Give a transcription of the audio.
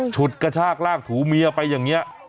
ฉุดกระชากลากถูเมียไปอย่างนี้